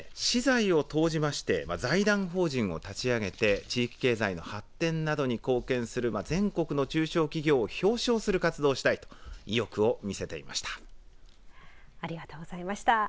私財を投じまして財団法人を立ち上げて地域経済の発展などに貢献する全国の中小企業を表彰する活動をしたいと意欲を見せていました。